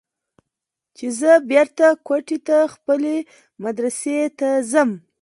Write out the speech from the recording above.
چې زه بېرته کوټې ته خپلې مدرسې ته ځم.